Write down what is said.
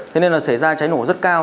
thế nên là xảy ra cháy nổ rất cao